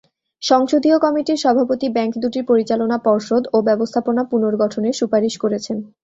সংসদীয় কমিটির সভাপতি ব্যাংক দুটির পরিচালনা পর্ষদ ও ব্যবস্থাপনা পুনর্গঠনের সুপারিশ করেছেন।